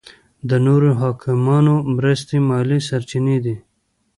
د نورو حاکمانو مرستې مالي سرچینې دي.